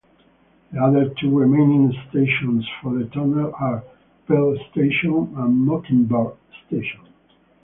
The other two remaining stations for the tunnel are Pearl Station and Mockingbird Station.